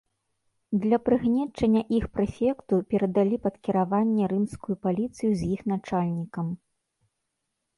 Для прыгнечання іх прэфекту перадалі пад кіраванне рымскую паліцыю з іх начальнікам.